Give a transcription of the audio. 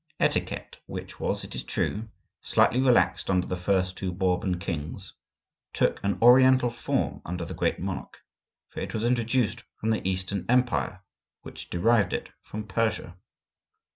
Etiquette, which was, it is true, slightly relaxed under the first two Bourbon kings, took an Oriental form under the Great Monarch, for it was introduced from the Eastern Empire, which derived it from Persia.